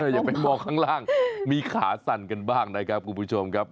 อย่าไปมองข้างล่างมีขาสั่นกันบ้างนะครับคุณผู้ชมครับ